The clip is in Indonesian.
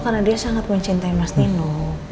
karena dia sangat mencintai mas nino